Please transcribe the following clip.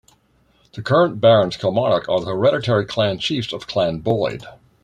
The current Barons Kilmarnock are the hereditary Clan Chiefs of Clan Boyd.